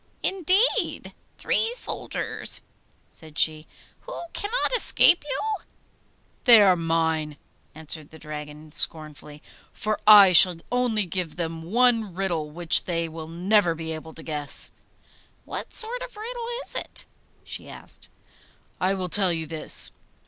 'Indeed! three soldiers!' said she. 'Who cannot escape you?' 'They are mine,' answered the Dragon scornfully, 'for I shall only give them one riddle which they will never be able to guess.' 'What sort of a riddle is it?' she asked. 'I will tell you this.